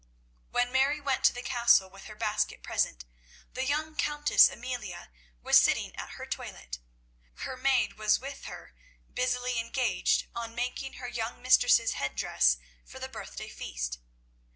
When Mary went to the Castle with her basket present, the young Countess Amelia was sitting at her toilet. Her maid was with her busily engaged on making her young mistress's head dress for the birthday feast.